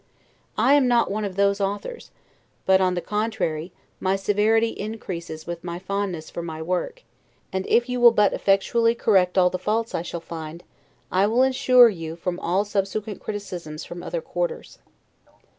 I am not one of those authors; but, on the contrary, my severity increases with my fondness for my work; and if you will but effectually correct all the faults I shall find, I will insure you from all subsequent criticisms from other quarters.